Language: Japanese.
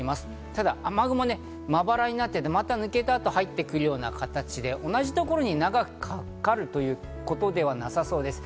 ただ、雨雲、まばらになっていて、また抜けたあと入ってくるような形で同じところに長くかかるということではなさそうです。